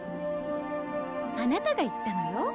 あなたが言ったのよ。